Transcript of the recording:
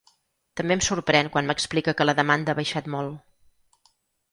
També em sorprèn quan m’explica que la demanda ha baixat molt.